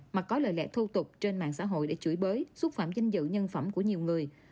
mà có lời lẽ thô tục trên mạng xã hội để chửi bới xúc phạm danh dự nhân phẩm của nhiều người